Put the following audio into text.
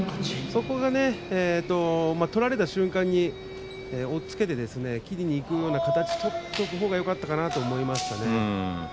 そこが取られた瞬間に押っつけて切りにいくような形のほうがよかったかなと思いますね。